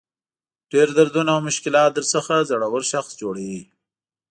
ډېر دردونه او مشکلات درڅخه زړور شخص جوړوي.